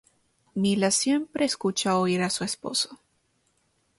Mila siempre escuchó oír a su esposo.